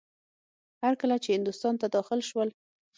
هر کله چې هندوستان ته داخل شول.